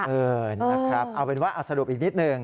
เออนะครับเอาเป็นว่าสรุปอีกนิดหนึ่ง